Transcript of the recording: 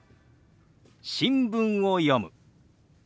「新聞を読む」。